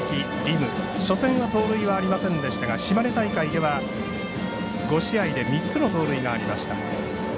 夢初戦は盗塁はありませんでしたが島根大会では５試合で３つの盗塁がありました。